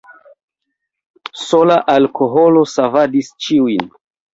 Sola alkoholo savadis ĉiujn.